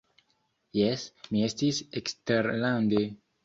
Jes, mi estis eksterlande.